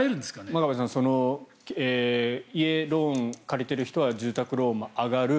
真壁さん家、ローン借りてる人は住宅ローンも上がる。